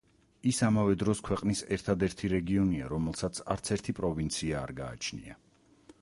ის ამავე დროს ქვეყნის ერთადერთი რეგიონია, რომელსაც არც ერთი პროვინცია არ გააჩნია.